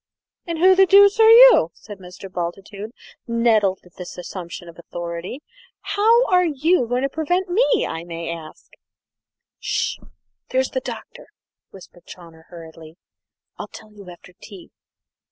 "And who the dooce are you?" said Mr. Bultitude, nettled at this assumption of authority. "How are you going to prevent me, may I ask?" "S'sh! here's the Doctor," whispered Chawner hurriedly. "I'll tell you after tea.